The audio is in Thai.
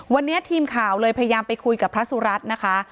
วันนี้ทีมข่าวเลยพยายามไปคุยกับพระสุรัตน์นะคะ